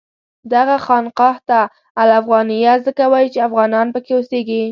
دغه خانقاه ته الافغانیه ځکه وایي چې افغانان پکې اوسېږي.